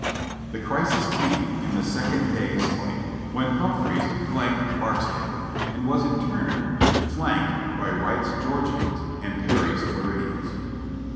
The crisis came in the second day's fight when Humphreys flanked Barksdale, and was in turn flanked by Wright's Geor gians and Perry's Floridians.